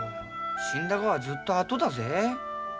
死んだがはずっとあとだぜ。